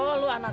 oh lu anaknya